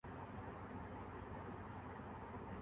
مدد کے لیے استعمال ہو سکتا ہے